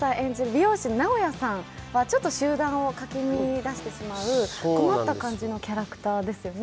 美容師の直哉さんはちょっと集団をかき乱してしまう困った感じのキャラクターですよね。